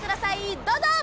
どうぞ！